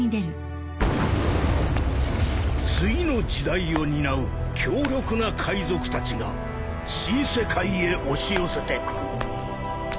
「次の時代を担う強力な海賊たちが新世界へ押し寄せてくる」